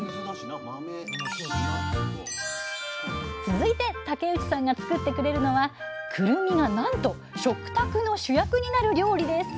続いて竹内さんが作ってくれるのはくるみがなんと食卓の主役になる料理です